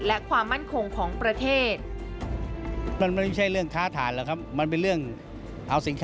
และความมั่นคงของประเทศ